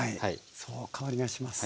そう香りがします。